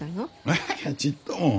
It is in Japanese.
いやいやちっとも。